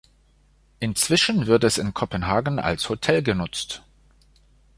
Inzwischen wird es in Kopenhagen als Hotel genutzt.